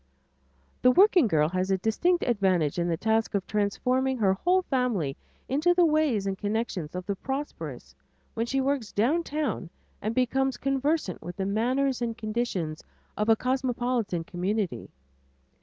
The working girl has a distinct advantage in the task of transforming her whole family into the ways and connections of the prosperous when she works down town and becomes conversant with the manners and conditions of a cosmopolitan community.